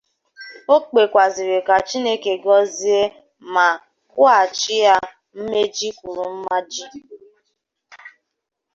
O kpèkwazịrị ka Chineke gọzie ma kwụghachi ha mmaji kwuru mmaji